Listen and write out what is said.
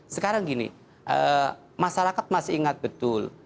sekarang gini masyarakat masih ingat betul